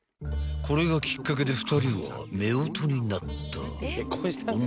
［これがきっかけで２人はめおとになった］